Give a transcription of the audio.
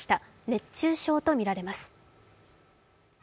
熱中症とみられます。